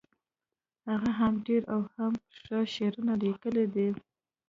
هغه هم ډیر او هم ښه شعرونه لیکلي دي